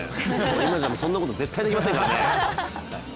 今じゃそんなこと絶対にできませんからね。